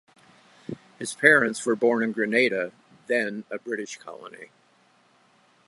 His parents were born in Grenada, then a British colony.